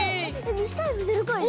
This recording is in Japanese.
ミスタイプ０かいだよ。